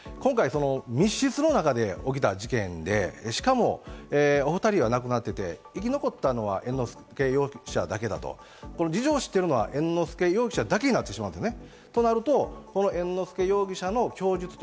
今回、密室の中で起きた事件で、しかも、お２人は亡くなっていて、生き残ったのは猿之助容疑者だけだと、事情を知っているのは猿之助容疑者だけになってしまったんですね。